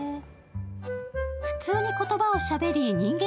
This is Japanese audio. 普通に言葉をしゃべり人間